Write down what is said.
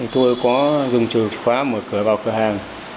tôi có dùng chìa khóa mở cửa vào cửa hàng